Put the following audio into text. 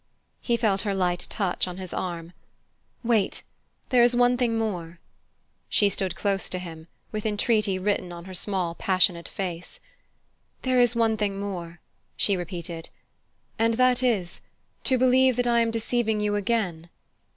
He felt her light touch on his arm. "Wait! There is one thing more " She stood close to him, with entreaty written on her small passionate face. "There is one thing more," she repeated. "And that is, to believe that I am deceiving you again."